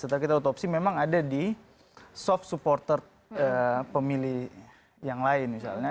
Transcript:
setelah kita otopsi memang ada di soft supporter pemilih yang lain misalnya